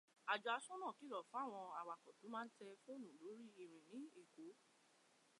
Àjọ aṣọ́nà kìlọ̀ f'áwọn awakọ̀ tó máa tẹ fóònù lórí ìrin ní Èkó.